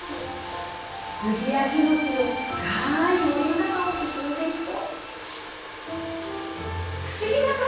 杉やヒノキの深い森の中を進んでいくと。